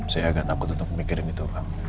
saya agak takut untuk memikirin itu